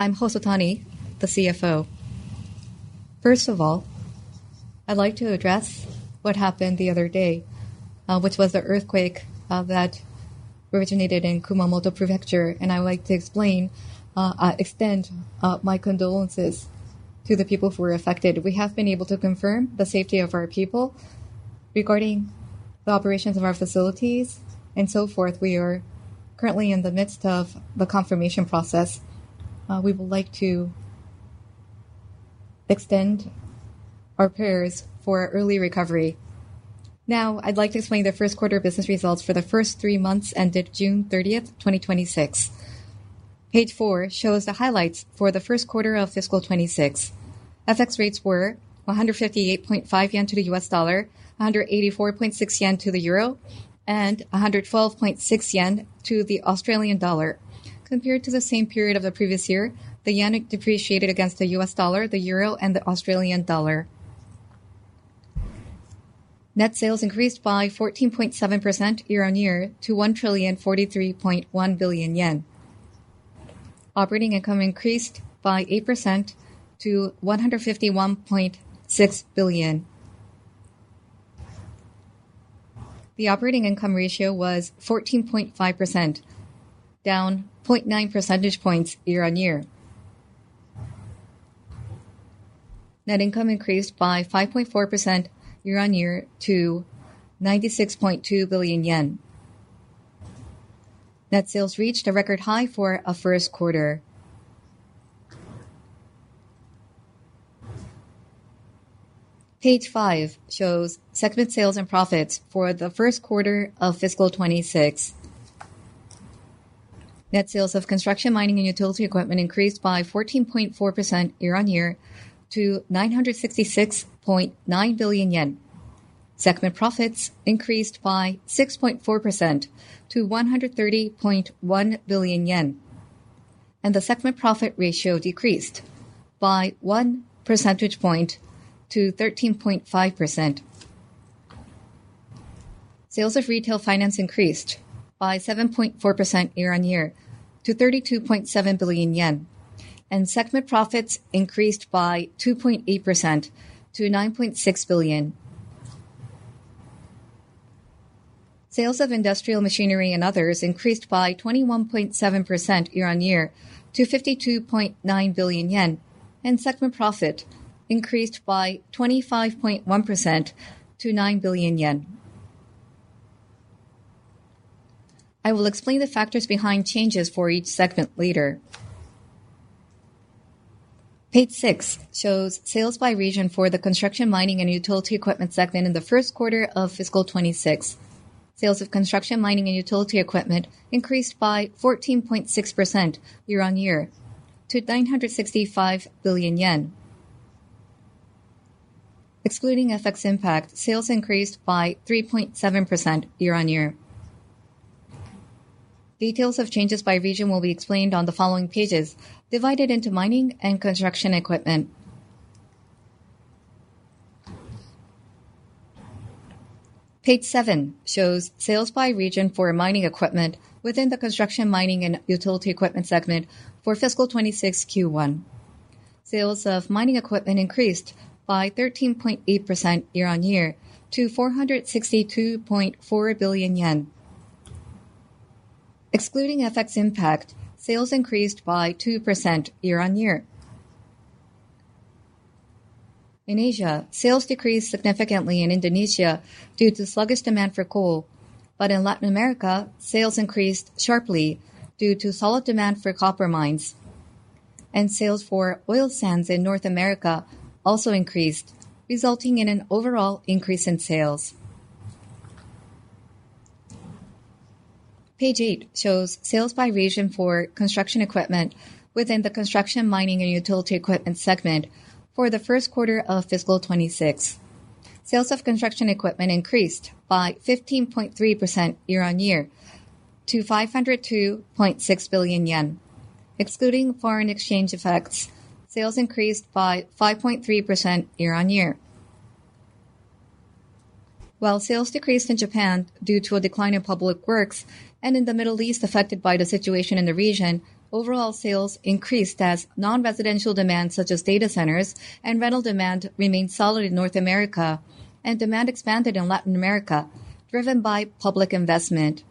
I'm Hosotani, the CFO. First of all, I'd like to address what happened the other day, which was the earthquake that originated in Kumamoto Prefecture, and I'd like to extend my condolences to the people who were affected. We have been able to confirm the safety of our people. Regarding the operations of our facilities and so forth, we are currently in the midst of the confirmation process. We would like to extend our prayers for early recovery. Now, I'd like to explain the first quarter business results for the first three months ended June 30th, 2026. Page four shows the highlights for the first quarter of fiscal 2026. FX rates were 158.5 yen to the US dollar, 184.6 yen to the euro, and 112.6 yen to the Australian dollar. Compared to the same period of the previous year, the Yen depreciated against the US dollar, the euro, and the Australian dollar. Net sales increased by 14.7% year-on-year to 1,043.1 billion yen. Operating income increased by 8% to 151.6 billion. The operating income ratio was 14.5%, down 0.9 percentage points year-on-year. Net income increased by 5.4% year-on-year to 96.2 billion yen. Net sales reached a record high for a first quarter. Page five shows segment sales and profits for the first quarter of fiscal 2026. Net sales of Construction, Mining, and Utility Equipment increased by 14.4% year-on-year to 966.9 billion yen. Segment profits increased by 6.4% to 130.1 billion yen, and the segment profit ratio decreased by one percentage point to 13.5%. Sales of Retail Finance increased by 7.4% year-on-year to 32.7 billion yen, and segment profits increased by 2.8% to 9.6 billion. Sales of Industrial Machinery and Others increased by 21.7% year-on-year to 52.9 billion yen, and segment profit increased by 25.1% to JPY 9 billion. I will explain the factors behind changes for each segment later. Page six shows sales by region for the Construction, Mining, and Utility Equipment segment in the first quarter of fiscal 2026. Sales of Construction, Mining, and Utility Equipment increased by 14.6% year-on-year to JPY 965 billion. Excluding FX impact, sales increased by 3.7% year-on-year. Details of changes by region will be explained on the following pages, divided into mining and construction equipment. Page seven shows sales by region for mining equipment within the Construction, Mining, and Utility Equipment segment for fiscal 2026 Q1. Sales of mining equipment increased by 13.8% year-on-year to 462.4 billion yen. Excluding FX impact, sales increased by 2% year-on-year. In Asia, sales decreased significantly in Indonesia due to sluggish demand for coal. In Latin America, sales increased sharply due to solid demand for copper mines, and sales for oil sands in North America also increased, resulting in an overall increase in sales. Page eight shows sales by region for construction equipment within the Construction, Mining, and Utility Equipment segment for the first quarter of fiscal 2026. Sales of construction equipment increased by 15.3% year-on-year to 502.6 billion yen. Excluding foreign exchange effects, sales increased by 5.3% year-on-year. While sales decreased in Japan due to a decline in public works, and in the Middle East affected by the situation in the region, overall sales increased as non-residential demands such as data centers and rental demand remained solid in North America, and demand expanded in Latin America, driven by public investment.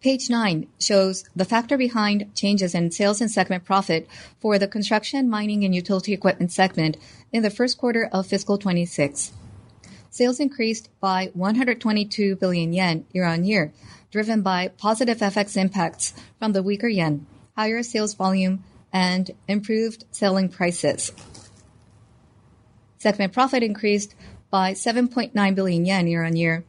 Page nine shows the factor behind changes in sales and segment profit for the construction, mining, and utility equipment segment in the first quarter of fiscal 2026. Sales increased by 122 billion yen year-on-year, driven by positive FX impacts from the weaker Yen, higher sales volume, and improved selling prices. Segment profit increased by 7.9 billion yen year-on-year,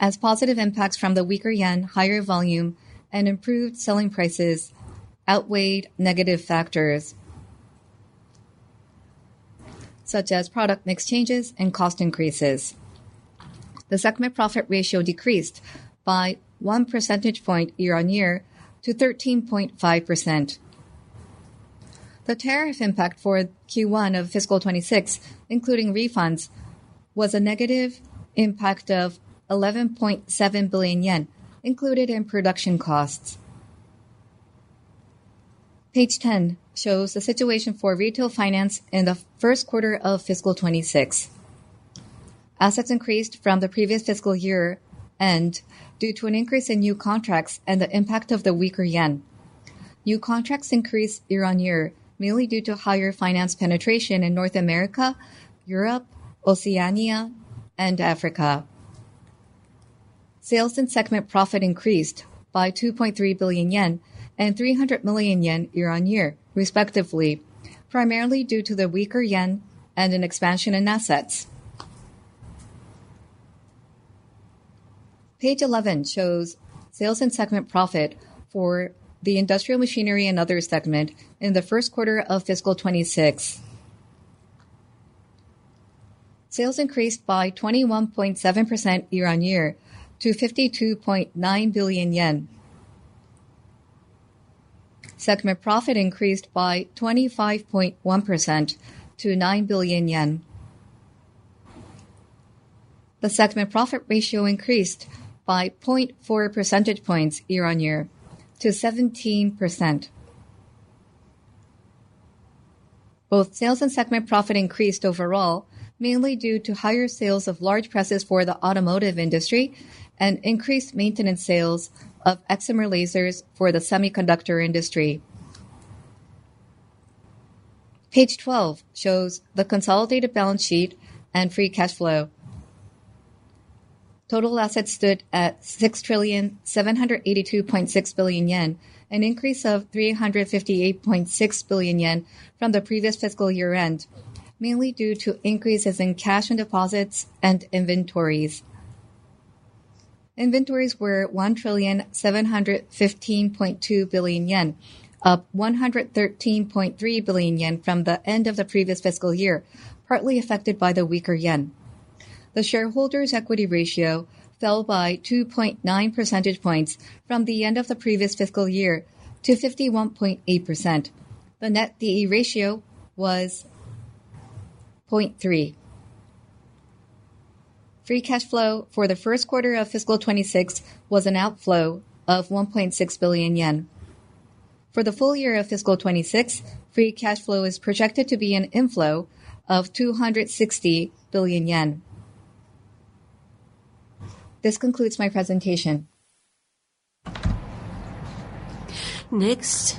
as positive impacts from the weaker Yen, higher volume, and improved selling prices outweighed negative factors such as product mix changes and cost increases. The segment profit ratio decreased by one percentage point year-on-year to 13.5%. The tariff impact for Q1 of fiscal 2026, including refunds, was a negative impact of 11.7 billion yen, included in production costs. Page 10 shows the situation for retail finance in the first quarter of fiscal 2026. Assets increased from the previous fiscal year-end due to an increase in new contracts and the impact of the weaker Yen. New contracts increased year-on-year, mainly due to higher finance penetration in North America, Europe, Oceania, and Africa. Sales and segment profit increased by 2.3 billion yen and 300 million yen year-on-year, respectively, primarily due to the weaker Yen and an expansion in assets. Page 11 shows sales and segment profit for the industrial machinery and other segment in the first quarter of fiscal 2026. Sales increased by 21.7% year-on-year to JPY 52.9 billion. Segment profit increased by 25.1% to JPY 9 billion. The segment profit ratio increased by 0.4 percentage points year-on-year to 17%. Both sales and segment profit increased overall, mainly due to higher sales of large presses for the automotive industry and increased maintenance sales of excimer lasers for the semiconductor industry. Page 12 shows the consolidated balance sheet and free cash flow. Total assets stood at 6,782.6 billion yen, an increase of 358.6 billion yen from the previous fiscal year-end, mainly due to increases in cash and deposits and inventories. Inventories were 1,715.2 billion yen, up 113.3 billion yen from the end of the previous fiscal year, partly affected by the weaker Yen. The shareholders' equity ratio fell by 2.9 percentage points from the end of the previous fiscal year to 51.8%. The net D/E ratio was 0.3. Free cash flow for the first quarter of fiscal 2026 was an outflow of 1.6 billion yen. For the full year of fiscal 2026, free cash flow is projected to be an inflow of 260 billion yen. This concludes my presentation. Next,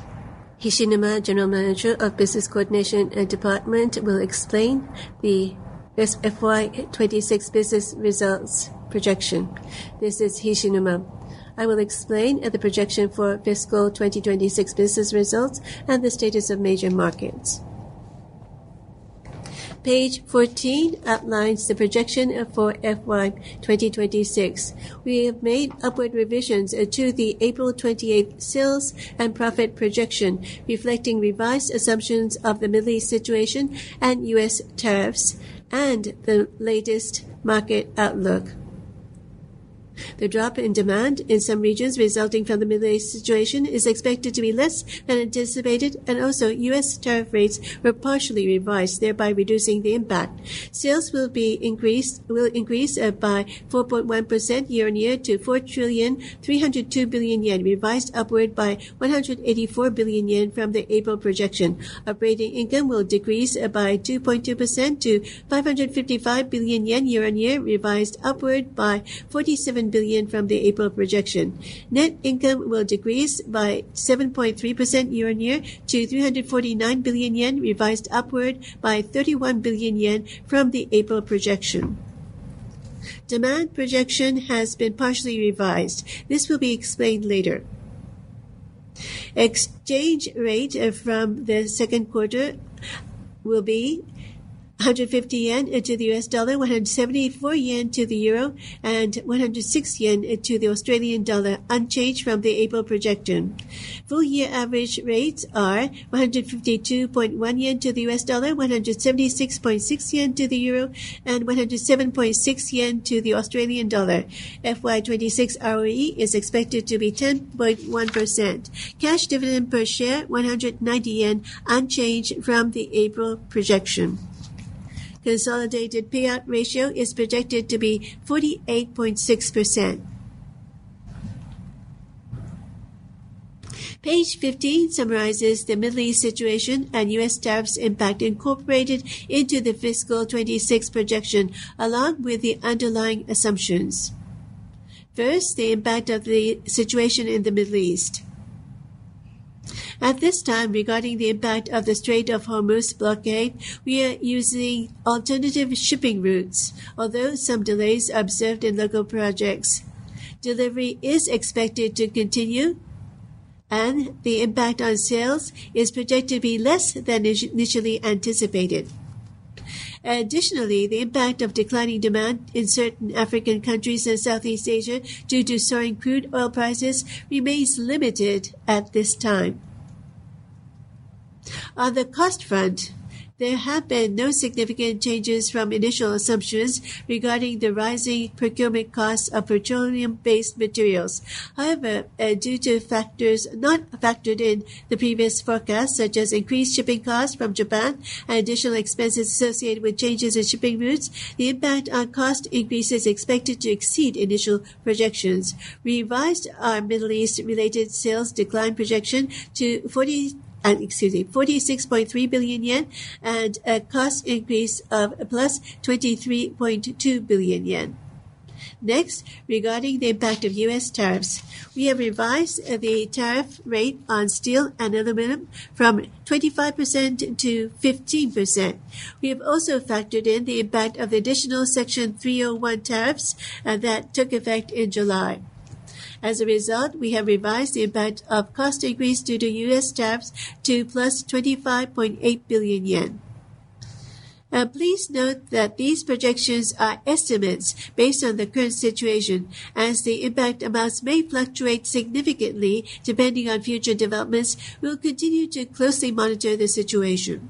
Hishinuma, General Manager of Business Coordination Department, will explain the FY 2026 business results projection. This is Hishinuma. I will explain the projection for fiscal 2026 business results and the status of major markets. Page 14 outlines the projection for FY 2026. We have made upward revisions to the April 28th sales and profit projection, reflecting revised assumptions of the Middle East situation and U.S. tariffs, and the latest market outlook. The drop in demand in some regions resulting from the Middle East situation is expected to be less than anticipated, and also U.S. tariff rates were partially revised, thereby reducing the impact. Sales will increase by 4.1% year-on-year to 4,302 billion yen, revised upward by 184 billion yen from the April projection. Operating income will decrease by 2.2% to 555 billion yen year-on-year, revised upward by 47 billion from the April projection. Net income will decrease by 7.3% year-on-year to 349 billion yen, revised upward by 31 billion yen from the April projection. Demand projection has been partially revised. This will be explained later. Exchange rate from the second quarter will be 150 yen to the US dollar, 174 yen to the EUR, and JPY 106 to the AUD, unchanged from the April projection. Full year average rates are 152.1 yen to the US dollar, 176.6 yen to the EUR, and JPY 107.6 to the AUD. FY 2026 ROE is expected to be 10.1%. Cash dividend per share 190 yen, unchanged from the April projection. Consolidated payout ratio is projected to be 48.6%. Page 15 summarizes the Middle East situation and U.S. tariffs impact incorporated into the fiscal 2026 projection, along with the underlying assumptions. The impact of the situation in the Middle East. At this time, regarding the impact of the Strait of Hormuz blockade, we are using alternative shipping routes, although some delays are observed in local projects. Delivery is expected to continue, and the impact on sales is projected to be less than initially anticipated. Additionally, the impact of declining demand in certain African countries and Southeast Asia due to soaring crude oil prices remains limited at this time. On the cost front, there have been no significant changes from initial assumptions regarding the rising procurement costs of petroleum-based materials. However, due to factors not factored in the previous forecast, such as increased shipping costs from Japan and additional expenses associated with changes in shipping routes, the impact on cost increase is expected to exceed initial projections. We revised our Middle East-related sales decline projection to 46.3 billion yen and a cost increase of +23.2 billion yen. Regarding the impact of U.S. tariffs, we have revised the tariff rate on steel and aluminum from 25% to 15%. We have also factored in the impact of the additional Section 301 tariffs that took effect in July. As a result, we have revised the impact of cost increase due to U.S. tariffs to +25.8 billion yen. Please note that these projections are estimates based on the current situation. As the impact amounts may fluctuate significantly depending on future developments, we will continue to closely monitor the situation.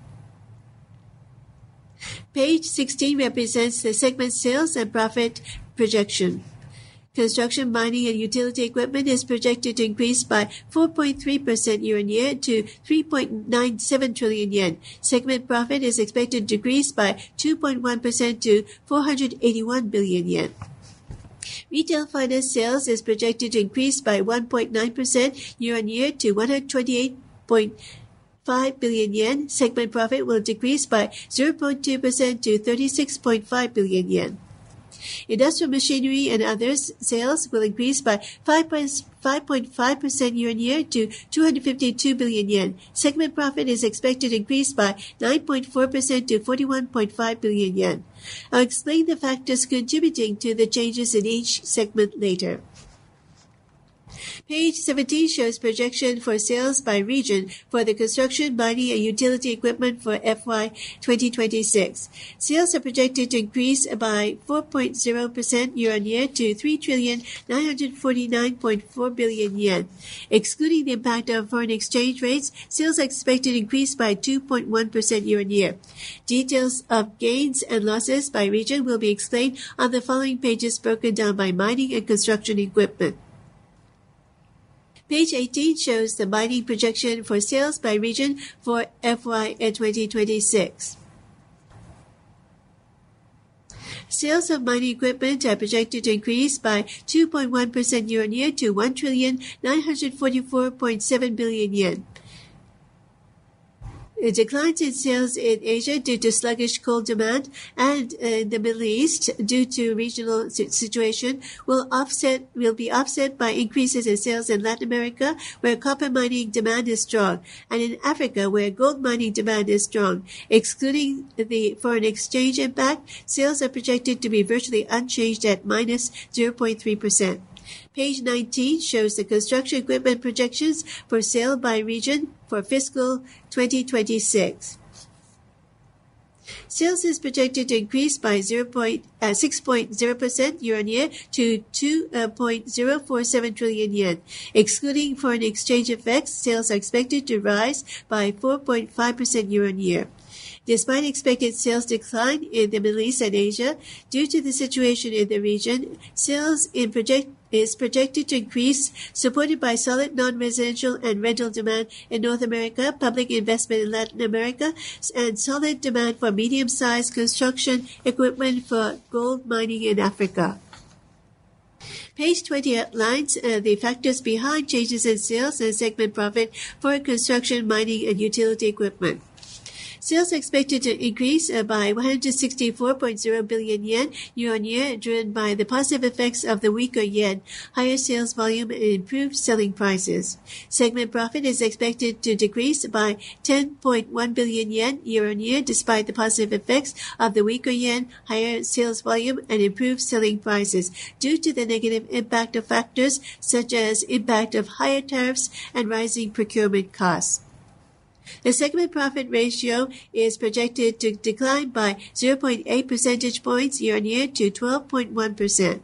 Page 16 represents the segment sales and profit projection. Construction, mining, and utility equipment is projected to increase by 4.3% year-on-year to 3.97 trillion yen. Segment profit is expected to decrease by 2.1% to 481 billion yen. Retail finance sales is projected to increase by 1.9% year-on-year to 128.5 billion yen. Segment profit will decrease by 0.2% to 36.5 billion yen. Industrial machinery and others sales will increase by 5.5% year-on-year to 252 billion yen. Segment profit is expected to increase by 9.4% to 41.5 billion yen. I will explain the factors contributing to the changes in each segment later. Page 17 shows projection for sales by region for the construction, mining, and utility equipment for FY 2026. Sales are projected to increase by 4.0% year-on-year to 3,949.4 billion yen. Excluding the impact of foreign exchange rates, sales are expected to increase by 2.1% year-on-year. Details of gains and losses by region will be explained on the following pages, broken down by mining and construction equipment. Page 18 shows the mining projection for sales by region for FY 2026. Sales of mining equipment are projected to increase by 2.1% year-on-year to 1,944.7 billion yen. A decline in sales in Asia due to sluggish coal demand and the Middle East due to regional situation will be offset by increases in sales in Latin America, where copper mining demand is strong, and in Africa, where gold mining demand is strong. Excluding the foreign exchange impact, sales are projected to be virtually unchanged at -0.3%. Page 19 shows the construction equipment projections for sale by region for fiscal 2026. Sales is projected to increase by 6.0% year-on-year to 2.047 trillion yen. Excluding foreign exchange effects, sales are expected to rise by 4.5% year-on-year. Despite expected sales decline in the Middle East and Asia, due to the situation in the region, sales is projected to increase, supported by solid non-residential and rental demand in North America, public investment in Latin America and solid demand for medium-sized construction equipment for gold mining in Africa. Page 20 outlines the factors behind changes in sales and segment profit for construction, mining, and utility equipment. Sales are expected to increase by 164.0 billion yen year-on-year, driven by the positive effects of the weaker Yen, higher sales volume, and improved selling prices. Segment profit is expected to decrease by 10.1 billion yen year-on-year despite the positive effects of the weaker Yen, higher sales volume, and improved selling prices due to the negative impact of factors such as impact of higher tariffs and rising procurement costs. The segment profit ratio is projected to decline by 0.8 percentage points year-on-year to 12.1%.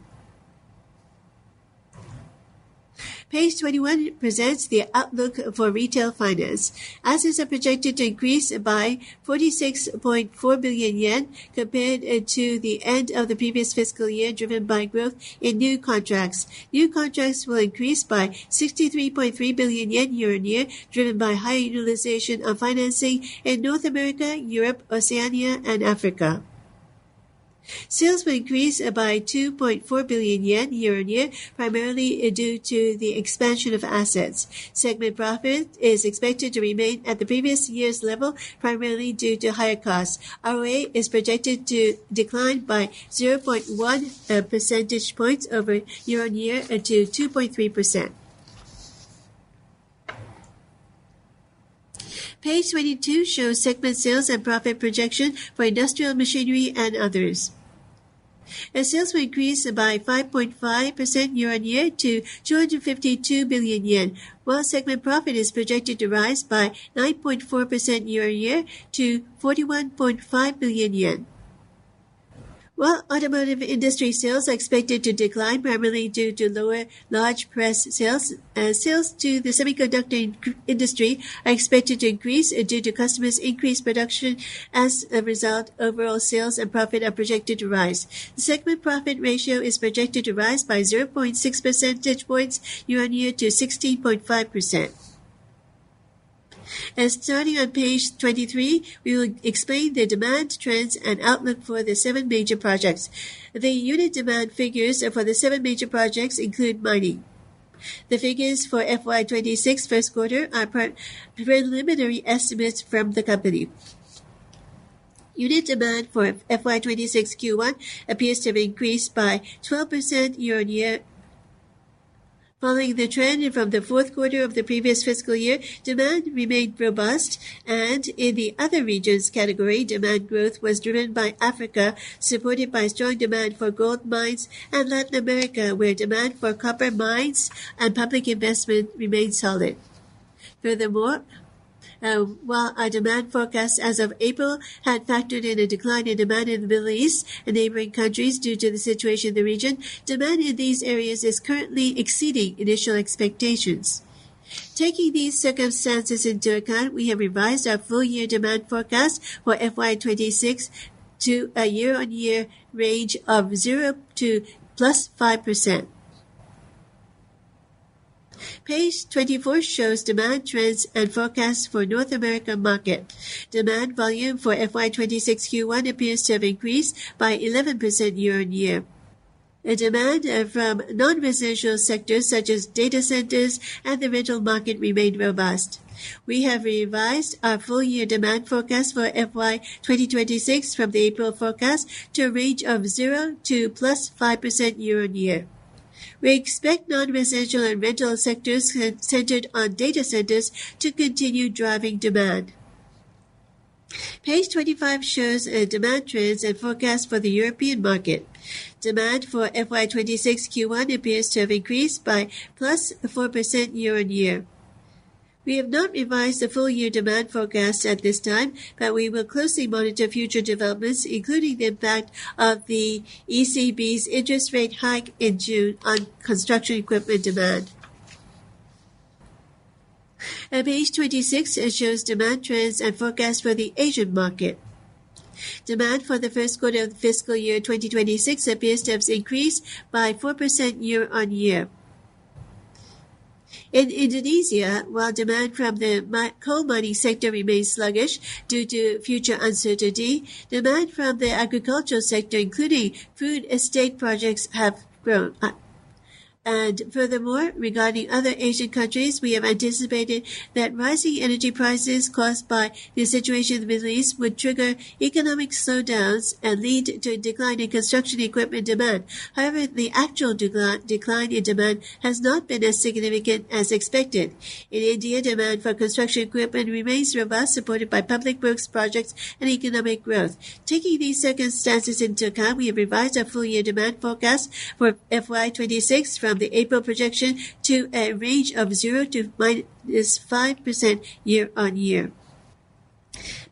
Page 21 presents the outlook for retail finance. Assets are projected to increase by 46.4 billion yen compared to the end of the previous fiscal year, driven by growth in new contracts. New contracts will increase by 63.3 billion yen year-on-year, driven by high utilization of financing in North America, Europe, Oceania, and Africa. Sales will increase by 2.4 billion yen year-on-year, primarily due to the expansion of assets. Segment profit is expected to remain at the previous year's level, primarily due to higher costs. ROA is projected to decline by 0.1 percentage points year-on-year to 2.3%. Page 22 shows segment sales and profit projection for industrial machinery and others. Sales will increase by 5.5% year-on-year to 252 billion yen, while segment profit is projected to rise by 9.4% year-on-year to 41.5 billion yen. While automotive industry sales are expected to decline, primarily due to lower large press sales to the semiconductor industry are expected to increase due to customers' increased production. As a result, overall sales and profit are projected to rise. The segment profit ratio is projected to rise by 0.6 percentage points year-on-year to 16.5%. Starting on page 23, we will explain the demand trends and outlook for the seven major projects. The unit demand figures for the seven major projects include mining. The figures for FY 2026 first quarter are preliminary estimates from the company. Unit demand for FY 2026 Q1 appears to have increased by 12% year-on-year. Following the trend from the fourth quarter of the previous fiscal year, demand remained robust, and in the other regions category, demand growth was driven by Africa, supported by strong demand for gold mines, and Latin America, where demand for copper mines and public investment remained solid. Furthermore, while our demand forecast as of April had factored in a decline in demand in the Middle East and neighboring countries due to the situation in the region, demand in these areas is currently exceeding initial expectations. Taking these circumstances into account, we have revised our full year demand forecast for FY 2026 to a year-on-year range of 0% to +5%. Page 24 shows demand trends and forecasts for North America market. Demand volume for FY 2026 Q1 appears to have increased by 11% year-on-year. The demand from non-residential sectors such as data centers and the rental market remained robust. We have revised our full year demand forecast for FY 2026 from the April forecast to a range of 0% to +5% year-on-year. We expect non-residential and rental sectors centered on data centers to continue driving demand. Page 25 shows demand trends and forecasts for the European market. Demand for FY 2026 Q1 appears to have increased by +4% year-on-year. We have not revised the full year demand forecast at this time, but we will closely monitor future developments, including the impact of the ECB's interest rate hike in June on construction equipment demand. Page 26 shows demand trends and forecasts for the Asian market. Demand for the first quarter of fiscal year 2026 appears to have increased by 4% year-on-year. In Indonesia, while demand from the coal mining sector remains sluggish due to future uncertainty, demand from the agricultural sector, including food estate projects, have grown. Furthermore, regarding other Asian countries, we have anticipated that rising energy prices caused by the situation in the Middle East would trigger economic slowdowns and lead to a decline in construction equipment demand. The actual decline in demand has not been as significant as expected. In India, demand for construction equipment remains robust, supported by public works projects and economic growth. Taking these circumstances into account, we have revised our full year demand forecast for FY 2026 from the April projection to a range of 0% to -5% year-on-year.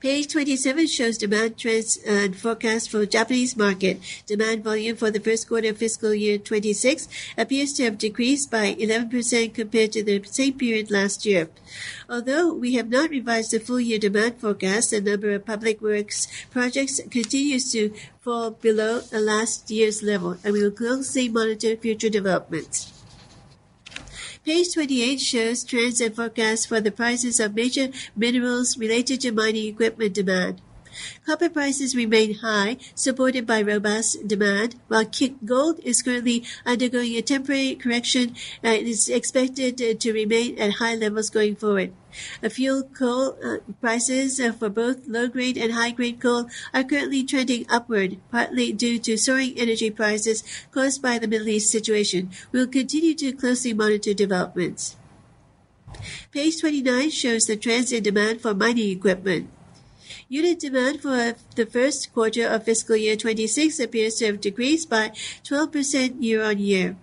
Page 27 shows demand trends and forecasts for the Japanese market. Demand volume for the first quarter of fiscal year 2026 appears to have decreased by 11% compared to the same period last year. Although we have not revised the full year demand forecast, the number of public works projects continues to fall below the last year's level. We will closely monitor future developments. Page 28 shows trends and forecasts for the prices of major minerals related to mining equipment demand. Copper prices remain high, supported by robust demand, while gold is currently undergoing a temporary correction and is expected to remain at high levels going forward. Fuel coal prices for both low-grade and high-grade coal are currently trending upward, partly due to soaring energy prices caused by the Middle East situation. We will continue to closely monitor developments. Page 29 shows the trends in demand for mining equipment. Unit demand for the first quarter of fiscal year 2026 appears to have decreased by 12% year-on-year.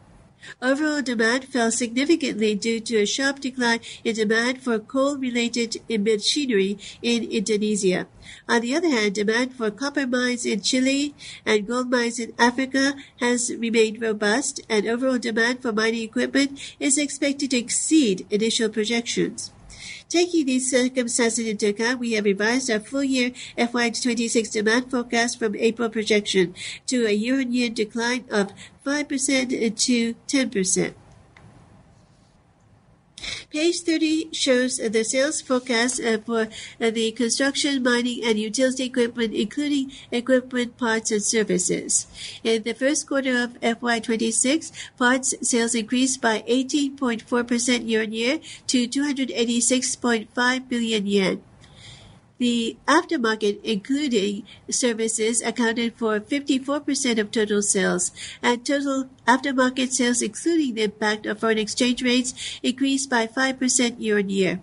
Overall demand fell significantly due to a sharp decline in demand for coal-related machinery in Indonesia. On the other hand, demand for copper mines in Chile and gold mines in Africa has remained robust, and overall demand for mining equipment is expected to exceed initial projections. Taking these circumstances into account, we have revised our full year FY 2026 demand forecast from April projection to a year-on-year decline of 5%-10%. Page 30 shows the sales forecast for the construction, mining, and utility equipment, including equipment parts and services. In the first quarter of FY 2026, parts sales increased by 18.4% year-on-year to 286.5 billion yen. The aftermarket, including services, accounted for 54% of total sales, and total aftermarket sales, excluding the impact of foreign exchange rates, increased by 5% year-on-year.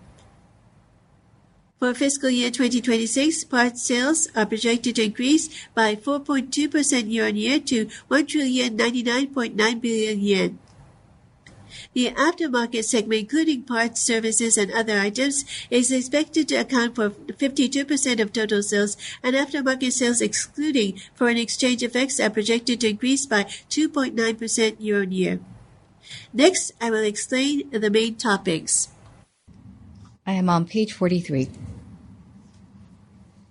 For fiscal year 2026, parts sales are projected to increase by 4.2% year-on-year to 1,099.9 billion yen. The aftermarket segment, including parts, services, and other items, is expected to account for 52% of total sales, and aftermarket sales excluding foreign exchange effects are projected to increase by 2.9% year-on-year. I will explain the main topics. I am on page 43.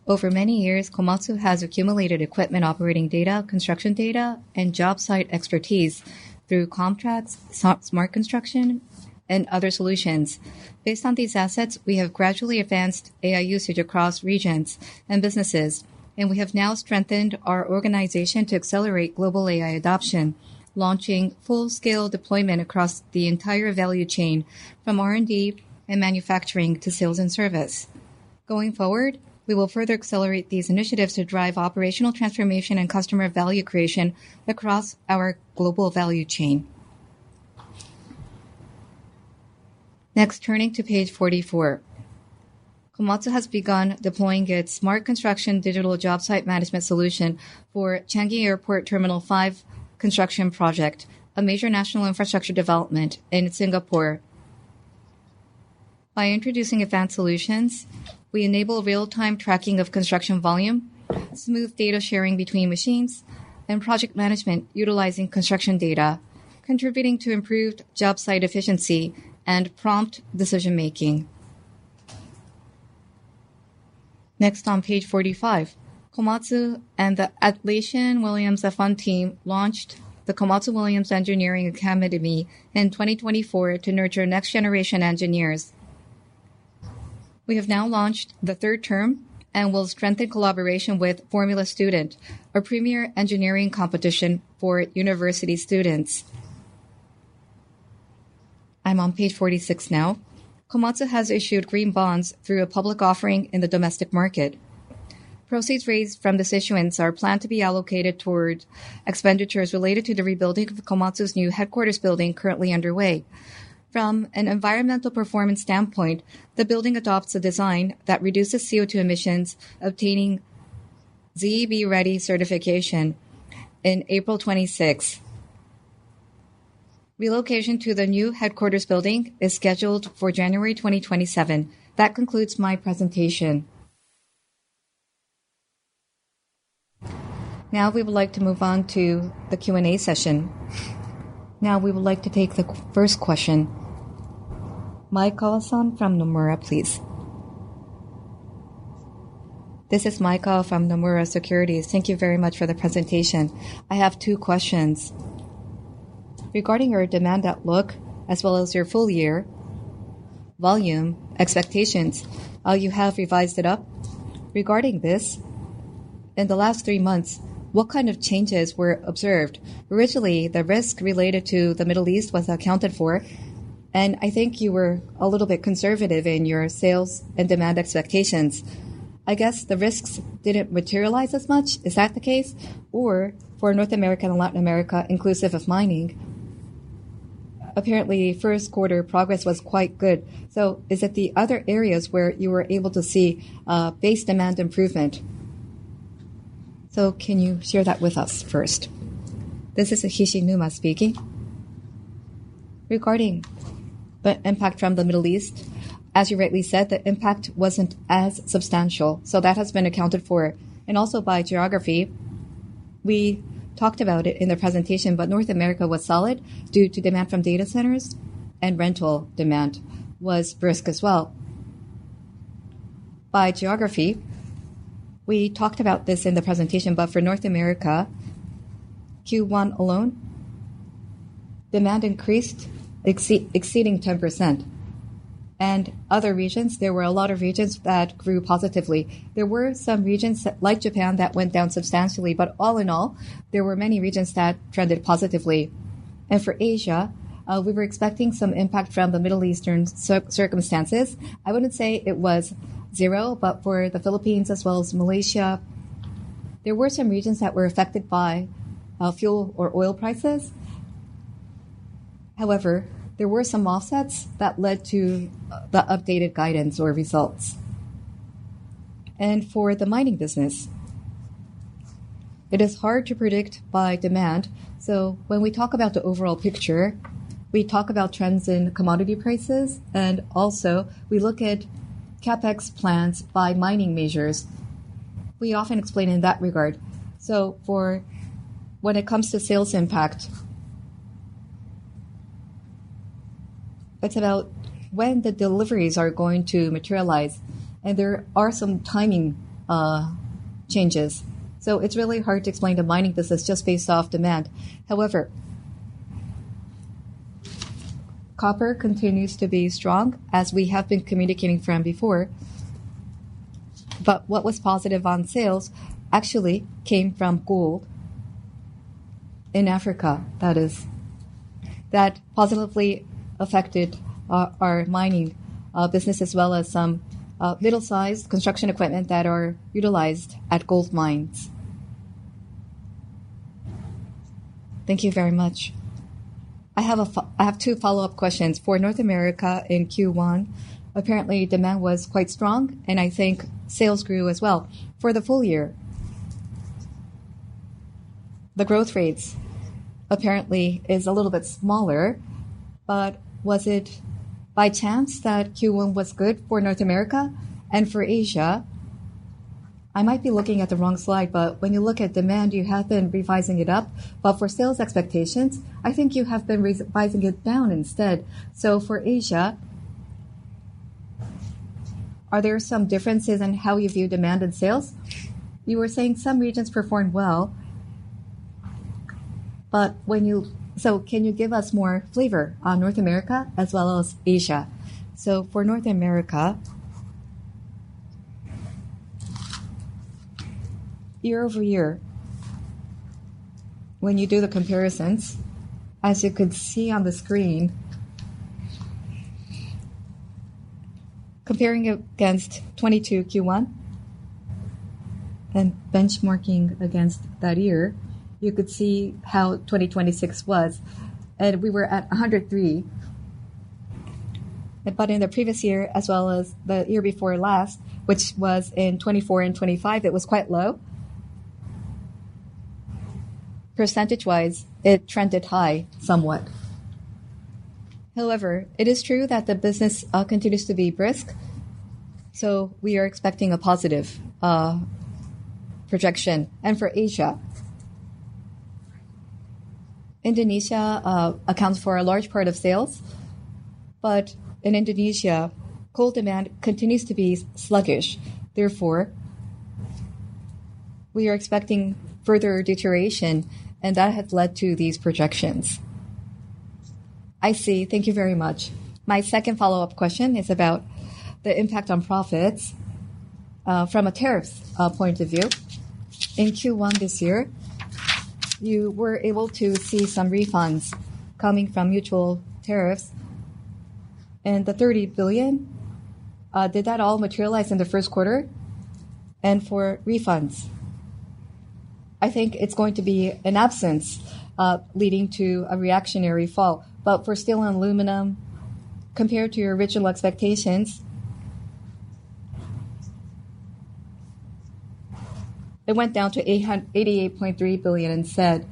Over many years, Komatsu has accumulated equipment operating data, construction data, and job site expertise through contracts, Smart Construction, and other solutions. Based on these assets, we have gradually advanced AI usage across regions and businesses, and we have now strengthened our organization to accelerate global AI adoption, launching full-scale deployment across the entire value chain from R&D and manufacturing to sales and service. Going forward, we will further accelerate these initiatives to drive operational transformation and customer value creation across our global value chain. Turning to page 44. Komatsu has begun deploying its Smart Construction digital job site management solution for Changi Airport Terminal 5 construction project, a major national infrastructure development in Singapore. By introducing advanced solutions, we enable real-time tracking of construction volume, smooth data sharing between machines, and project management utilizing construction data, contributing to improved job site efficiency and prompt decision-making. On page 45. Komatsu and the Atlassian Williams F1 team launched the Komatsu-Williams Engineering Academy in 2024 to nurture next-generation engineers. We have now launched the third term and will strengthen collaboration with Formula Student, a premier engineering competition for university students. I'm on page 46 now. Komatsu has issued green bonds through a public offering in the domestic market. Proceeds raised from this issuance are planned to be allocated towards expenditures related to the rebuilding of Komatsu's new headquarters building currently underway. From an environmental performance standpoint, the building adopts a design that reduces CO2 emissions, obtaining ZEB ready certification in April 2026. Relocation to the new headquarters building is scheduled for January 2027. That concludes my presentation. We would like to move on to the Q&A session. We would like to take the first question. Maekawa-san from Nomura, please. This is Maekawa from Nomura Securities. Thank you very much for the presentation. I have two questions. Regarding your demand outlook as well as your full year volume expectations, you have revised it up regarding this. In the last three months, what kind of changes were observed? Originally, the risk related to the Middle East was accounted for, and I think you were a little bit conservative in your sales and demand expectations. I guess the risks didn't materialize as much. Is that the case? Or for North America and Latin America, inclusive of mining, apparently first quarter progress was quite good. Is it the other areas where you were able to see base demand improvement? Can you share that with us first? This is Hishinuma speaking. Regarding the impact from the Middle East, as you rightly said, the impact wasn't as substantial. That has been accounted for. By geography, we talked about it in the presentation, but North America was solid due to demand from data centers, and rental demand was brisk as well. By geography, we talked about this in the presentation, but for North America, Q1 alone, demand increased, exceeding 10%. Other regions, there were a lot of regions that grew positively. There were some regions, like Japan, that went down substantially, but all in all, there were many regions that trended positively. For Asia, we were expecting some impact from the Middle Eastern circumstances. I wouldn't say it was zero, but for the Philippines as well as Malaysia, there were some regions that were affected by fuel or oil prices. However, there were some offsets that led to the updated guidance or results. For the mining business, it is hard to predict by demand. When we talk about the overall picture, we talk about trends in commodity prices, and also we look at CapEx plans by mining measures. We often explain in that regard. For when it comes to sales impact, it's about when the deliveries are going to materialize, and there are some timing changes. It's really hard to explain the mining business just based off demand. However, copper continues to be strong as we have been communicating from before. What was positive on sales actually came from gold in Africa. That positively affected our mining business as well as some middle-sized construction equipment that are utilized at gold mines. Thank you very much. I have two follow-up questions. For North America in Q1, apparently demand was quite strong, and I think sales grew as well. For the full year, the growth rates apparently is a little bit smaller, but was it by chance that Q1 was good for North America and for Asia? I might be looking at the wrong slide, but when you look at demand, you have been revising it up. For sales expectations, I think you have been revising it down instead. For Asia, are there some differences in how you view demand and sales? You were saying some regions performed well. Can you give us more flavor on North America as well as Asia? For North America, year-over-year, when you do the comparisons, as you could see on the screen, comparing against 2022 Q1 and benchmarking against that year, you could see how 2026 was, and we were at 103. In the previous year as well as the year before last, which was in 2024 and 2025, it was quite low. Percentage-wise, it trended high somewhat. However, it is true that the business continues to be brisk, so we are expecting a positive projection. For Asia, Indonesia accounts for a large part of sales. In Indonesia, coal demand continues to be sluggish. Therefore, we are expecting further deterioration, and that has led to these projections. I see. Thank you very much. My second follow-up question is about the impact on profits from a tariffs point of view. In Q1 this year, you were able to see some refunds coming from mutual tariffs. Did the 30 billion all materialize in the first quarter? For refunds, I think it is going to be an absence, leading to a reactionary fall. For steel and aluminum, compared to your original expectations, it went down to 88.3 billion instead.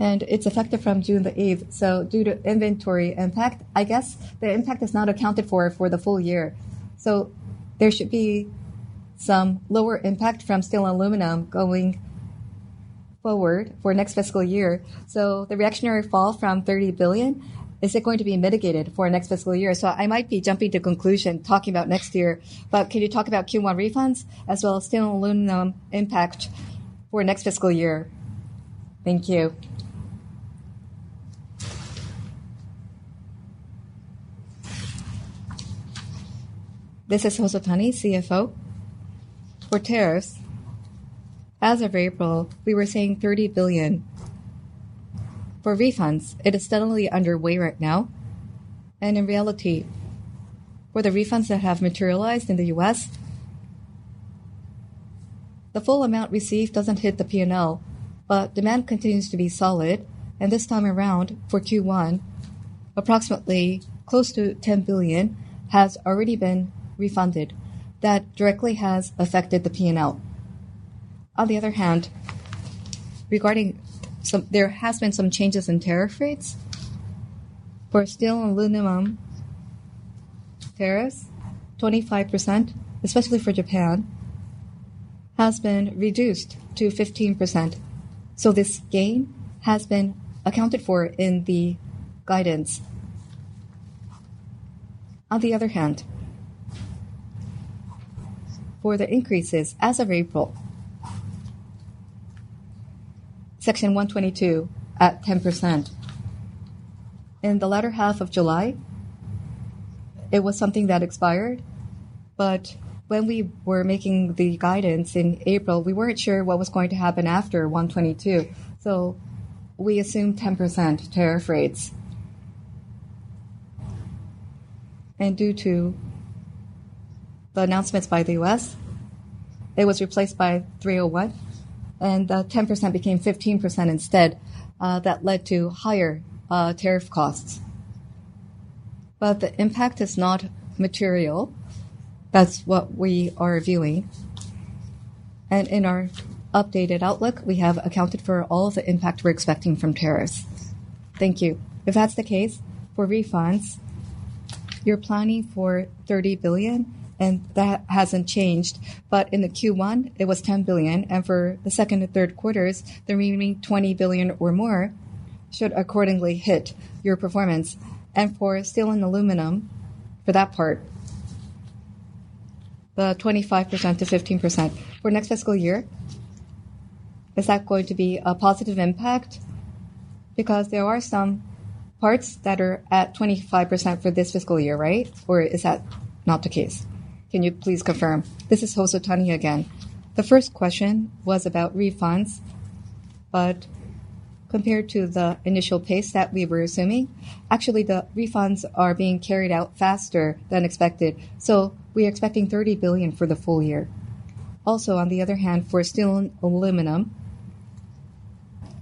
It is effective from June the 8th. Due to inventory impact, I guess the impact is not accounted for the full year. There should be some lower impact from steel and aluminum going forward for next fiscal year. The reactionary fall from 30 billion, is it going to be mitigated for next fiscal year? I might be jumping to conclusion talking about next year, but can you talk about Q1 refunds as well as steel and aluminum impact for next fiscal year? Thank you. This is Hosotani, CFO. For tariffs, as of April, we were seeing 30 billion for refunds. It is steadily underway right now, and in reality, for the refunds that have materialized in the U.S., the full amount received doesn't hit the P&L. Demand continues to be solid, and this time around, for Q1, approximately close to 10 billion has already been refunded. That directly has affected the P&L. On the other hand, there has been some changes in tariff rates. For steel and aluminum tariffs, 25%, especially for Japan, has been reduced to 15%. This gain has been accounted for in the guidance. On the other hand, for the increases as of April, Section 232 at 10%. In the latter half of July, it was something that expired. When we were making the guidance in April, we weren't sure what was going to happen after Section 232. We assumed 10% tariff rates. Due to the announcements by the U.S., it was replaced by Section 301, and the 10% became 15% instead. That led to higher tariff costs. The impact is not material. That is what we are viewing. In our updated outlook, we have accounted for all of the impact we are expecting from tariffs. Thank you. If that is the case, for refunds, you are planning for 30 billion, and that hasn't changed. In the Q1, it was 10 billion, and for the second and third quarters, the remaining 20 billion or more should accordingly hit your performance. For steel and aluminum, for that part, the 25% to 15%. For next fiscal year, is that going to be a positive impact? There are some parts that are at 25% for this fiscal year, right? Or is that not the case? Can you please confirm? This is Hosotani again. The first question was about refunds, but compared to the initial pace that we were assuming, actually the refunds are being carried out faster than expected. We are expecting 30 billion for the full year. Also, on the other hand, for steel and aluminum,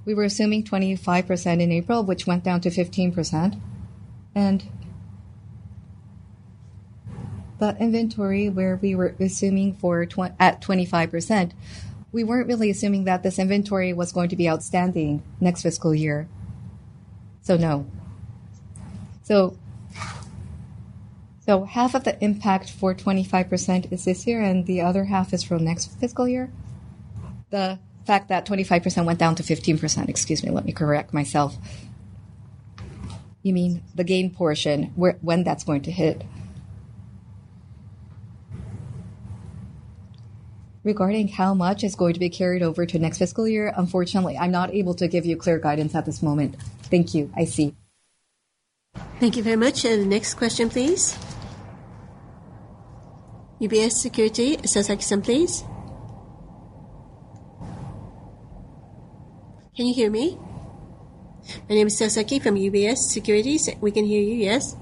we were assuming 25% in April, which went down to 15%, and That inventory where we were assuming at 25%, we weren't really assuming that this inventory was going to be outstanding next fiscal year. No. Half of the impact for 25% is this year, and the other half is from next fiscal year. The fact that 25% went down to 15%, excuse me, let me correct myself. You mean the gain portion, when that's going to hit. Regarding how much is going to be carried over to next fiscal year, unfortunately, I'm not able to give you clear guidance at this moment. Thank you. I see. Thank you very much. Next question, please. UBS Securities, Sasaki-san, please. Can you hear me? My name is Sasaki from UBS Securities. We can hear you, yes.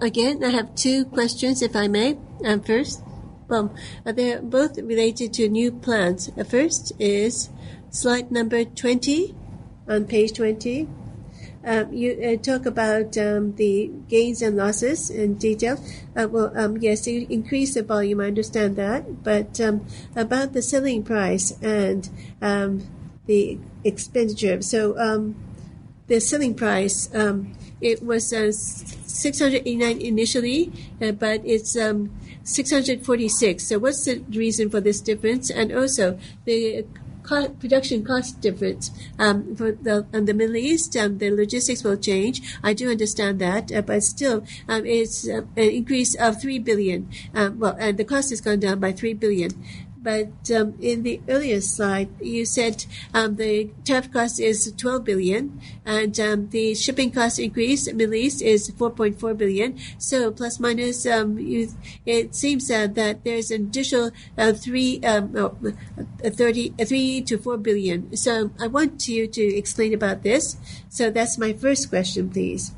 Again, I have two questions, if I may. First, they're both related to new plans. First is slide number 20 on page 20. You talk about the gains and losses in detail. Yes, you increased the volume, I understand that. But about the selling price and the expenditure. The selling price, it was 689 billion initially, but it's 646 billion. What's the reason for this difference? And also, the production cost difference. For the Middle East, the logistics will change, I do understand that. Still, it's an increase of 3 billion. The cost has gone down by 3 billion. In the earlier slide, you said the tariff cost is 12 billion and the shipping cost increase in the Middle East is 4.4 billion. Plus or minus, it seems that there is an additional 3 billion to 4 billion. I want you to explain about this. That's my first question, please.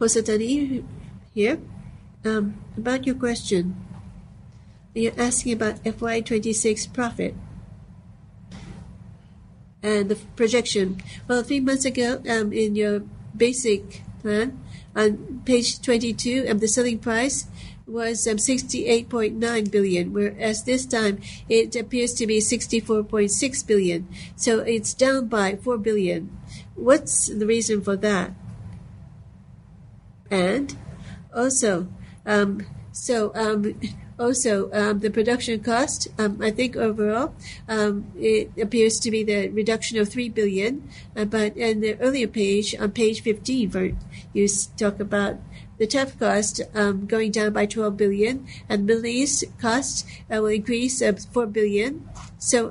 Hosotani here. About your question. You're asking about FY 2026 profit and the projection. A few months ago, in your basic plan on page 22, the selling price was 68.9 billion, whereas this time it appears to be 64.6 billion. It's down by 4 billion. What's the reason for that? Also, the production cost, I think overall, it appears to be the reduction of 3 billion. In the earlier page, on page 15, you talk about the tariff cost going down by 12 billion and the Middle East cost will increase up 4 billion.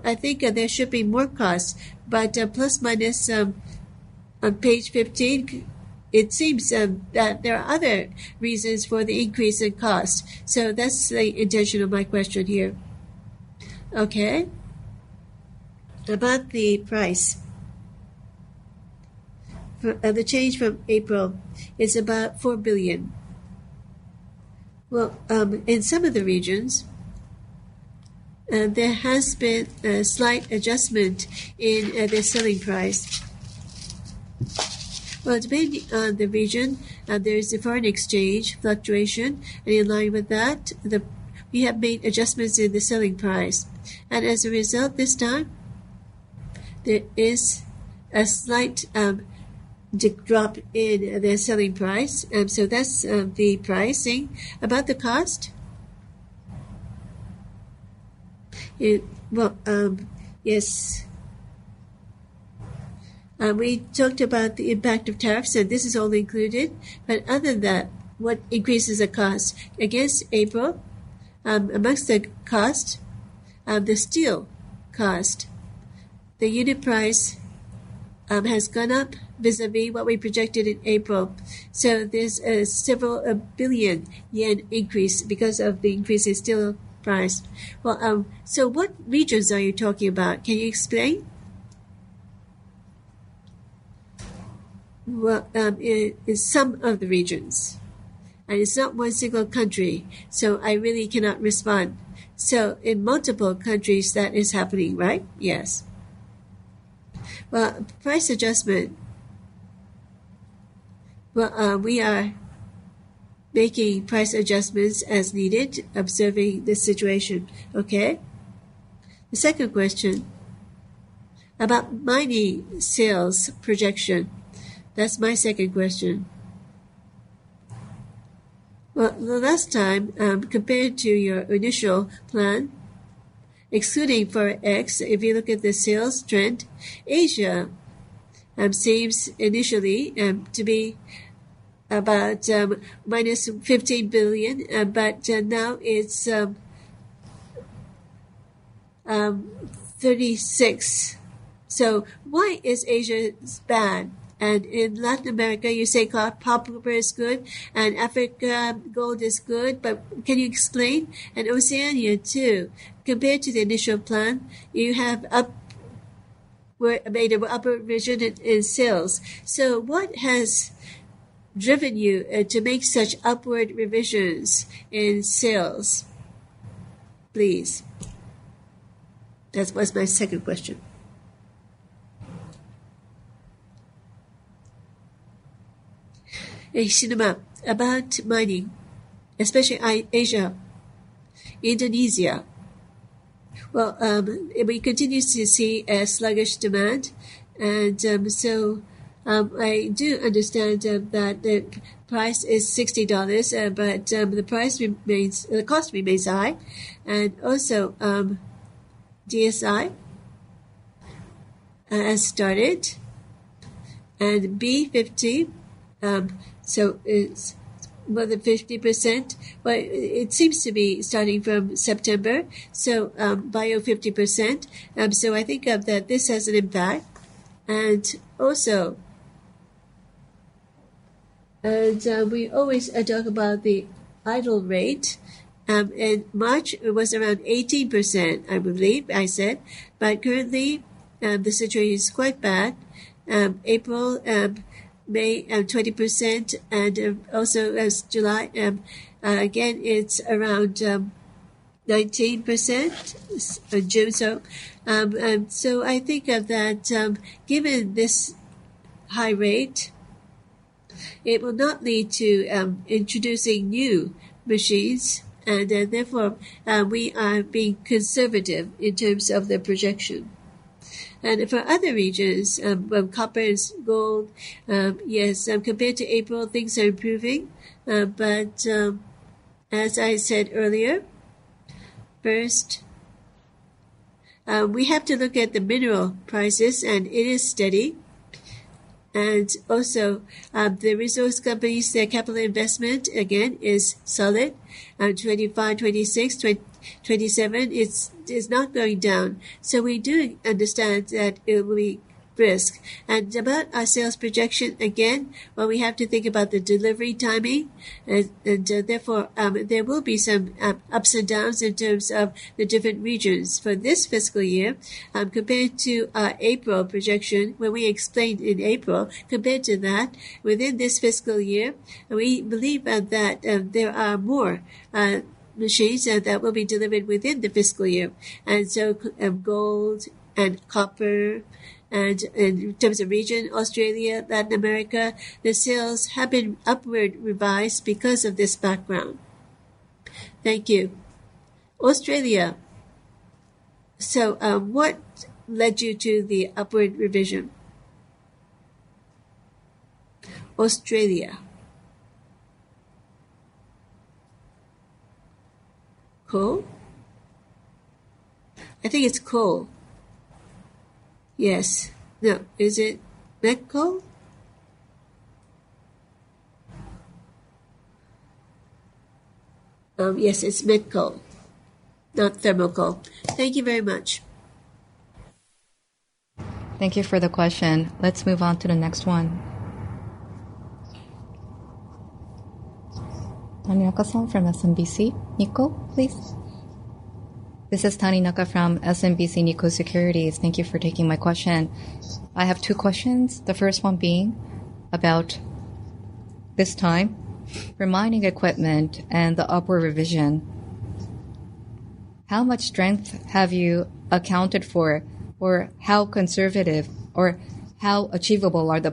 I think there should be more costs, plus or minus, on page 15, it seems that there are other reasons for the increase in cost. That's the intention of my question here. About the price. The change from April is about 4 billion. In some of the regions, there has been a slight adjustment in the selling price. Depending on the region, there is a foreign exchange fluctuation, and in line with that, we have made adjustments in the selling price. As a result, this time, there is a slight drop in the selling price. That's the pricing. About the cost. Yes. We talked about the impact of tariffs, and this is all included. Other than that, what increases the cost? Against April, amongst the cost, the steel cost, the unit price has gone up vis-à-vis what we projected in April. There's a several billion JPY increase because of the increase in steel price. What regions are you talking about? Can you explain? In some of the regions. It's not one single country, so I really cannot respond. In multiple countries, that is happening, right? Yes. Price adjustment. We are making price adjustments as needed, observing the situation. Okay. The second question, about mining sales projection. That is my second question. The last time, compared to your initial plan, excluding FX, if you look at the sales trend, Asia seems initially to be about minus 15 billion, but now it is 36 billion. Why is Asia bad? In Latin America, you say copper is good, Africa, gold is good, but can you explain? Oceania too, compared to the initial plan, you have upward revisions in sales. What has driven you to make such upward revisions in sales, please? That was my second question. Hishinuma, about mining, especially in Asia, Indonesia. We continue to see a sluggish demand, and I do understand that the price is JPY 60, but the cost remains high. DSI has started at B50, so it is more than 50%, but it seems to be starting from September, so bio 50%. I think that this has an impact. We always talk about the idle rate. In March it was around 18%, I believe I said, but currently, the situation is quite bad. April, May, 20%, and also as July, again, it is around 19% for June. I think that given this high rate, it will not lead to introducing new machines, and we are being conservative in terms of the projection. For other regions, copper and gold, yes, compared to April, things are improving. As I said earlier, first, we have to look at the mineral prices, and it is steady. The resource companies, their Capital Expenditure again is solid, 2025, 2026, 2027, it is not going down. We do understand that it will be a risk. About our sales projection, again, we have to think about the delivery timing, and there will be some ups and downs in terms of the different regions. For this fiscal year, compared to our April projection, when we explained in April, compared to that, within this fiscal year, we believe that there are more machines that will be delivered within the fiscal year. Gold and copper, and in terms of region, Australia, Latin America, the sales have been upward revised because of this background. Thank you. Australia. What led you to the upward revision? Australia. Coal? I think it is coal. Yes. No. Is it met coal? Yes, it is met coal, not thermal coal. Thank you very much. Thank you for the question. Let's move on to the next one. Tanioka-san from SMBC Nikko, please. This is Tanioka from SMBC Nikko Securities. Thank you for taking my question. I have two questions. The first one being about this time for mining equipment and the upward revision. How much strength have you accounted for, or how conservative, or how achievable are the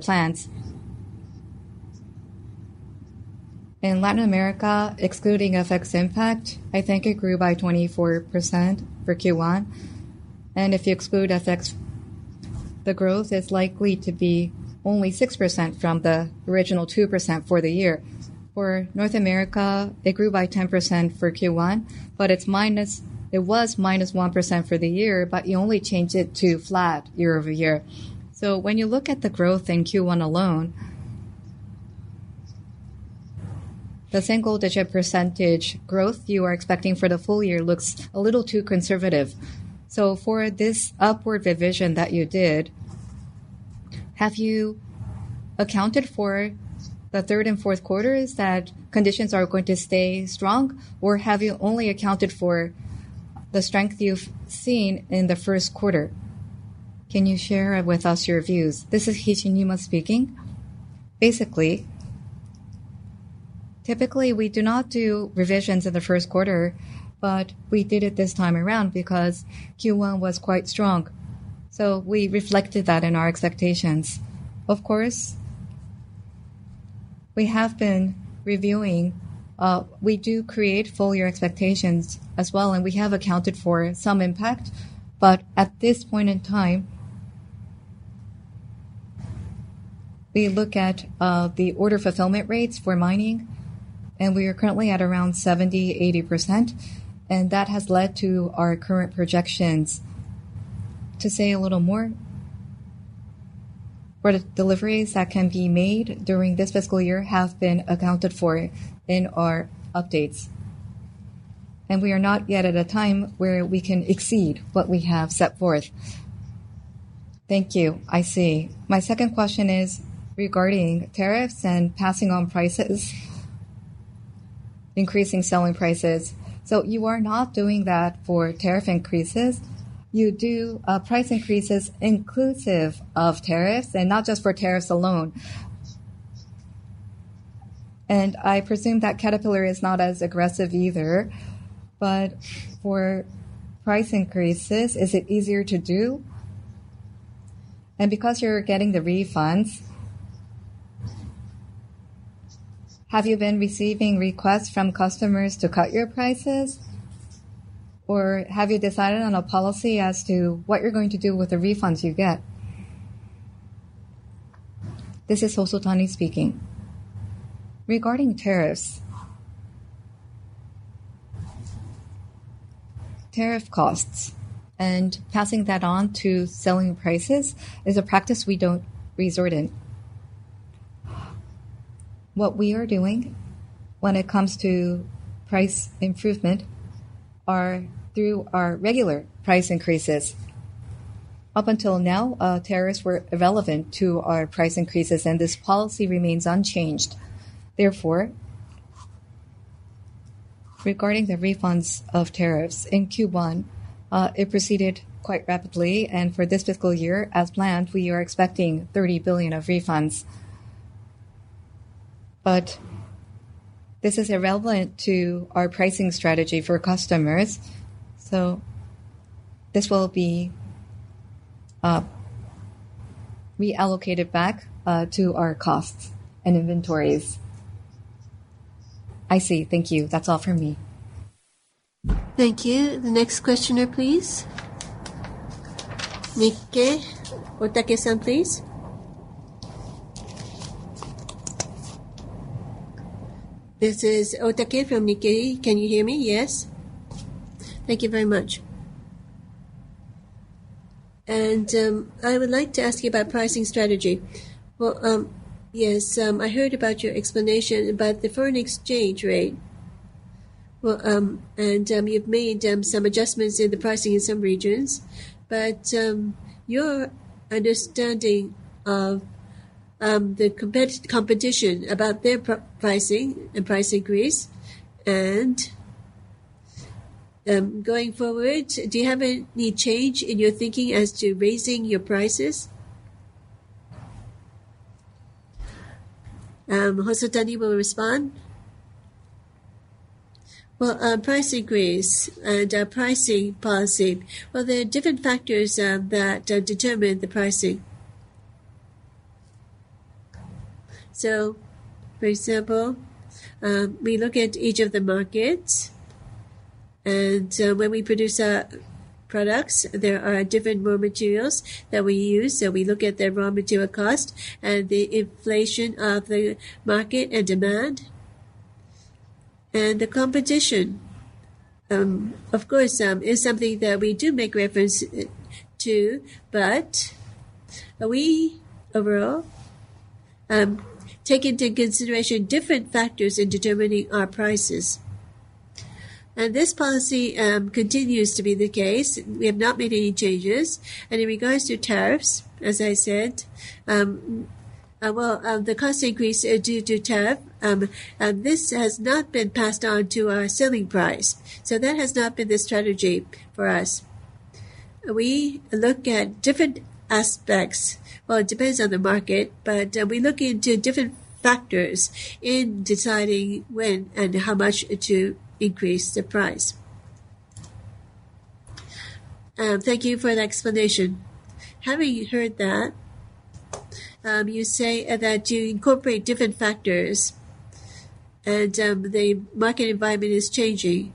plans? In Latin America, excluding FX impact, I think it grew by 24% for Q1. If you exclude FX, the growth is likely to be only 6% from the original 2% for the year. For North America, it grew by 10% for Q1, but it was -1% for the year, but you only changed it to flat year-over-year. When you look at the growth in Q1 alone, the single-digit percentage growth you are expecting for the full year looks a little too conservative. For this upward revision that you did, have you accounted for the third and fourth quarters that conditions are going to stay strong, or have you only accounted for the strength you've seen in the first quarter? Can you share with us your views? This is Hishinuma speaking. Basically, typically, we do not do revisions in the first quarter, but we did it this time around because Q1 was quite strong, so we reflected that in our expectations. Of course, we have been reviewing. We do create full year expectations as well, and we have accounted for some impact. At this point in time, we look at the order fulfillment rates for mining, and we are currently at around 70%, 80%, and that has led to our current projections. To say a little more, for the deliveries that can be made during this fiscal year have been accounted for in our updates, and we are not yet at a time where we can exceed what we have set forth. Thank you. I see. My second question is regarding tariffs and passing on prices. increasing selling prices. You are not doing that for tariff increases. You do price increases inclusive of tariffs and not just for tariffs alone. I presume that Caterpillar is not as aggressive either. For price increases, is it easier to do? Because you're getting the refunds, have you been receiving requests from customers to cut your prices? Have you decided on a policy as to what you're going to do with the refunds you get? This is Hosotani speaking. Regarding tariffs, tariff costs and passing that on to selling prices is a practice we don't resort in. What we are doing when it comes to price improvement are through our regular price increases. Up until now, tariffs were irrelevant to our price increases, and this policy remains unchanged. Regarding the refunds of tariffs, in Q1, it proceeded quite rapidly, and for this fiscal year, as planned, we are expecting 30 billion of refunds. This is irrelevant to our pricing strategy for customers, so this will be reallocated back to our costs and inventories. I see. Thank you. That's all from me. Thank you. The next questioner, please. Nikkei, Otake-san, please. This is Otake from Nikkei. Can you hear me? Yes. Thank you very much. I would like to ask you about pricing strategy. Yes, I heard about your explanation about the foreign exchange rate. Well, you've made some adjustments in the pricing in some regions, but your understanding of the competition about their pricing and price increase and going forward, do you have any change in your thinking as to raising your prices? Hosotani will respond. Price increase and our pricing policy. There are different factors that determine the pricing. For example, we look at each of the markets, and when we produce our products, there are different raw materials that we use. We look at the raw material cost and the inflation of the market and demand. The competition, of course, is something that we do make reference to, but we overall take into consideration different factors in determining our prices. This policy continues to be the case. We have not made any changes. In regards to tariffs, as I said, the cost increase due to tariff, this has not been passed on to our selling price. That has not been the strategy for us. We look at different aspects. It depends on the market, but we look into different factors in deciding when and how much to increase the price. Thank you for that explanation. Having heard that, you say that you incorporate different factors and the market environment is changing,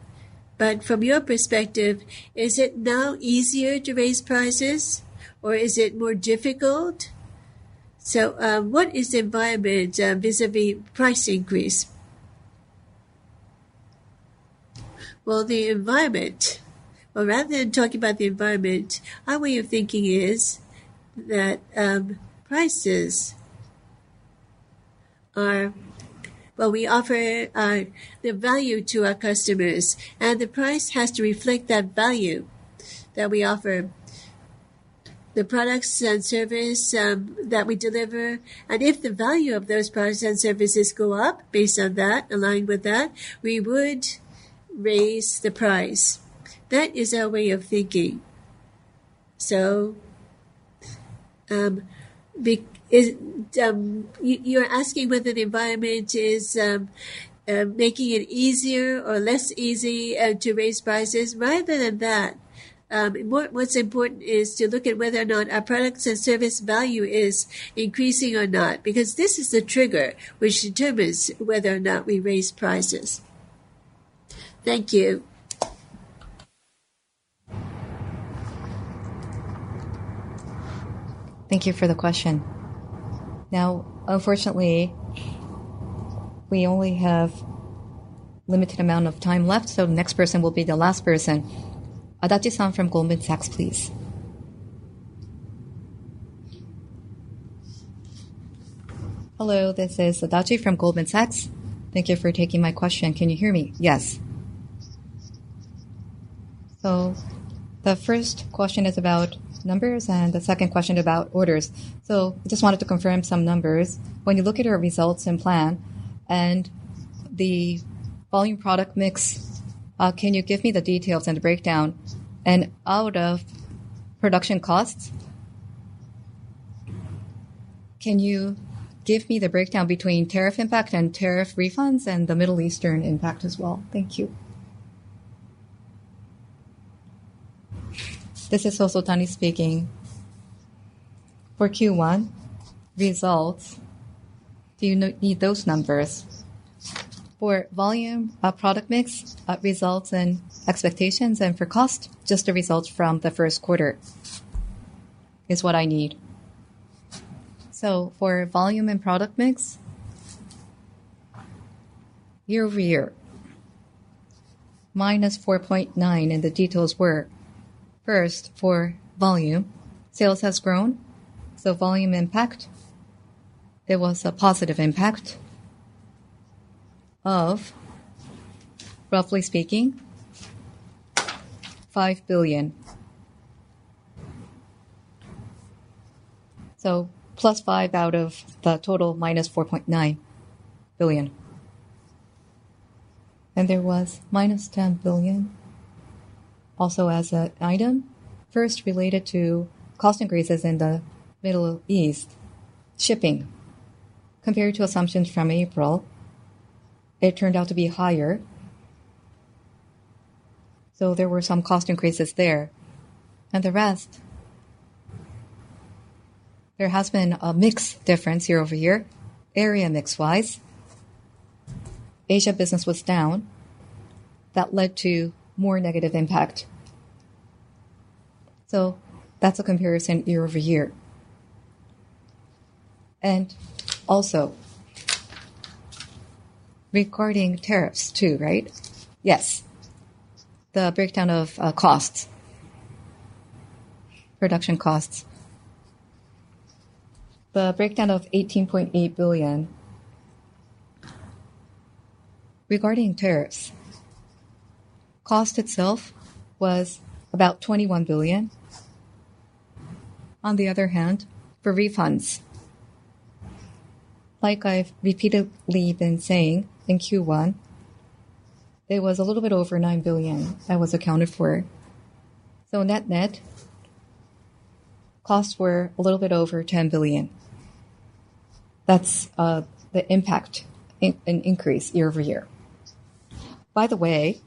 but from your perspective, is it now easier to raise prices, or is it more difficult? What is the environment vis-à-vis price increase? The environment. Rather than talking about the environment, our way of thinking is that prices are we offer the value to our customers, and the price has to reflect that value that we offer, the products and service that we deliver. If the value of those products and services go up based on that, aligned with that, we would raise the price. That is our way of thinking. You're asking whether the environment is making it easier or less easy to raise prices. Rather than that, what's important is to look at whether or not our products and service value is increasing or not, because this is the trigger which determines whether or not we raise prices. Thank you. Thank you for the question. Unfortunately, we only have limited amount of time left, next person will be the last person. Adachi-san from Goldman Sachs, please. Hello, this is Adachi from Goldman Sachs. Thank you for taking my question. Can you hear me? Yes. The first question is about numbers and the second question about orders. Just wanted to confirm some numbers. When you look at our results and plan and the volume product mix, can you give me the details and the breakdown? And out of production costs, can you give me the breakdown between tariff impact and tariff refunds and the Middle Eastern impact as well? Thank you. This is Hosotani speaking. For Q1 results, do you need those numbers? For volume product mix results and expectations, and for cost, just the results from the first quarter is what I need. For volume and product mix, year-over-year, minus 4.9 billion, the details were, first, for volume, sales has grown. Volume impact, there was a positive impact of, roughly speaking, 5 billion. Plus 5 billion out of the total minus 4.9 billion. There was minus 10 billion also as an item, first related to cost increases in the Middle East shipping. Compared to assumptions from April, it turned out to be higher. There were some cost increases there. The rest, there has been a mix difference year-over-year, area mix wise. Asia business was down. That led to more negative impact. That's a comparison year-over-year. Also, regarding tariffs too, right? Yes. The breakdown of costs, production costs. The breakdown of JPY 18.8 billion. Regarding tariffs, cost itself was about 21 billion. On the other hand, for refunds, like I've repeatedly been saying, in Q1, it was a little bit over 9 billion that was accounted for. In that net, costs were a little bit over 10 billion. That's the impact in increase year-over-year. By the way,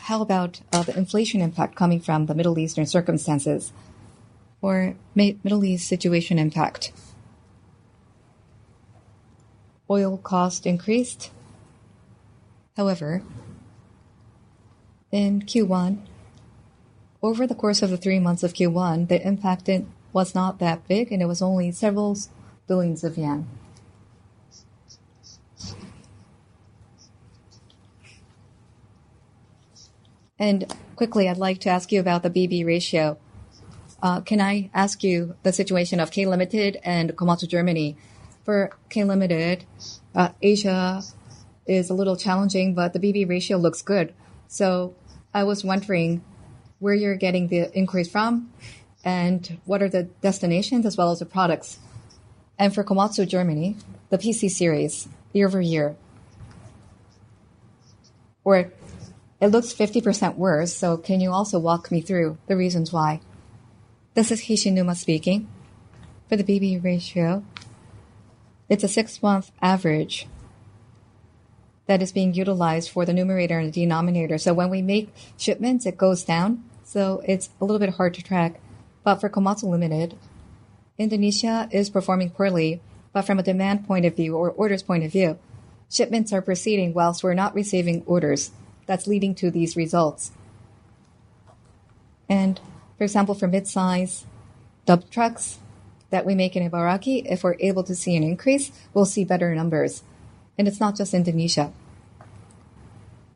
how about the inflation impact coming from the Middle Eastern circumstances or Middle East situation impact? Oil cost increased. However, in Q1, over the course of the three months of Q1, the impact was not that big, and it was only JPY several billions. Quickly, I'd like to ask you about the B/B ratio. Can I ask you the situation of K Limited and Komatsu Germany? For K Limited, Asia is a little challenging, but the B/B ratio looks good. I was wondering where you're getting the increase from and what are the destinations as well as the products. For Komatsu Germany, the PC series year-over-year, where it looks 50% worse, can you also walk me through the reasons why? This is Hishinuma speaking. For the B/B ratio, it's a six-month average that is being utilized for the numerator and the denominator. When we make shipments, it goes down, it's a little bit hard to track. For Komatsu Limited, Indonesia is performing poorly, from a demand point of view or orders point of view, shipments are proceeding whilst we're not receiving orders. That's leading to these results. For example, for mid-size dump trucks that we make in Ibaraki, if we're able to see an increase, we'll see better numbers. It's not just Indonesia.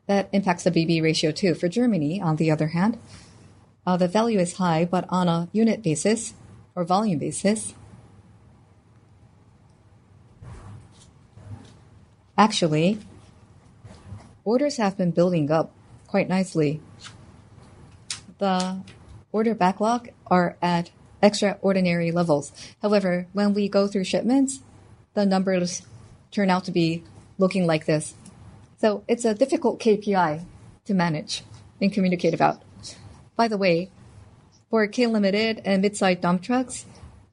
That impacts the B/B ratio, too. For Germany, on the other hand, the value is high, but on a unit basis or volume basis. Actually, orders have been building up quite nicely. The order backlog are at extraordinary levels. However, when we go through shipments, the numbers turn out to be looking like this. It's a difficult KPI to manage and communicate about. By the way, for Komatsu Limited and mid-size dump trucks,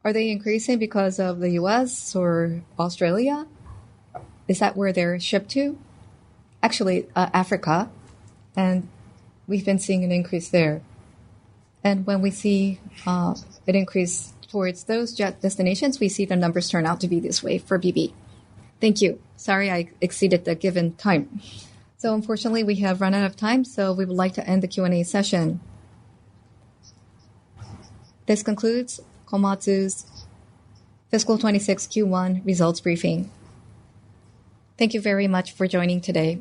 are they increasing because of the U.S. or Australia? Is that where they're shipped to? Actually, Africa, we've been seeing an increase there. When we see an increase towards those destinations, we see the numbers turn out to be this way for B/B. Thank you. Sorry, I exceeded the given time. Unfortunately, we have run out of time, we would like to end the Q&A session. This concludes Komatsu's fiscal 2026 Q1 results briefing. Thank you very much for joining today.